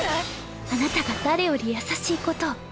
あなたが誰より優しいことを。